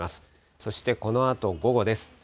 そしてこのあと午後です。